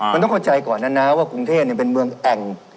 มันต้องเข้าใจก่อนนะนะว่ากรุงเทพเป็นเมืองแอ่ง